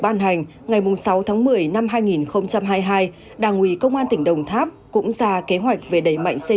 ban hành ngày sáu tháng một mươi năm hai nghìn hai mươi hai đảng ủy công an tỉnh đồng tháp cũng ra kế hoạch về đẩy mạnh xây